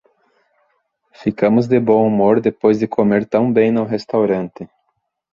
Ficamos de bom humor depois de comer tão bem no restaurante!